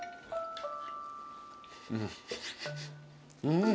うん。